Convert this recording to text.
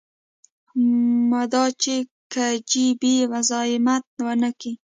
مدا چې کي جي بي مزايمت ونکي.